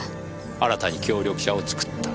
新たに協力者を作った。